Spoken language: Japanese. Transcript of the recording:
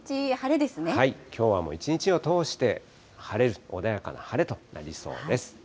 きょうはもう一日を通して晴れる、穏やかな晴れとなりそうです。